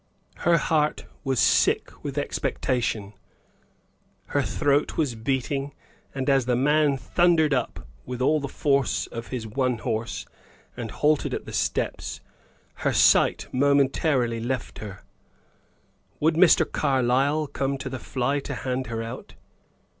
Her heart was sick with expectation, her throat was beating; and as the man thundered up with all the force of his one horse, and halted at the steps, her sight momentarily left her. Would Mr. Carlyle come to the fly to hand her out?